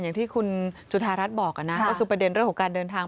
อย่างที่คุณจุธารัฐบอกนะก็คือประเด็นเรื่องของการเดินทาง